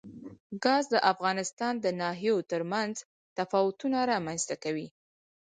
ګاز د افغانستان د ناحیو ترمنځ تفاوتونه رامنځ ته کوي.